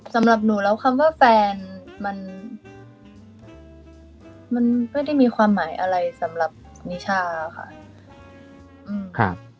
สำหรับหนูแล้วคำว่าแฟนมันไม่ได้มีความหมายอะไรสำหรับนิชาค่ะ